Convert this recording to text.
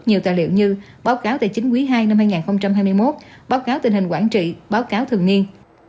nhiều tài liệu như báo cáo tài chính quý ii năm hai nghìn hai mươi một báo cáo tình hình quản trị báo cáo thường niên